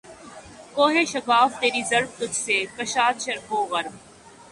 کوہ شگاف تیری ضرب تجھ سے کشاد شرق و غرب